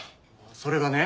それがね